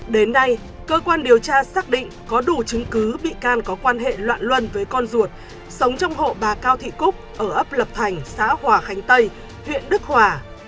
đến nay cơ quan điều tra xác định có đủ chứng cứ bị can có quan hệ loạn luân với con ruột sống trong hộ bà cao thị cúc ở ấp lập thành xã hòa khánh tây huyện đức hòa